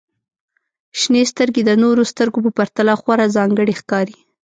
• شنې سترګې د نورو سترګو په پرتله خورا ځانګړې ښکاري.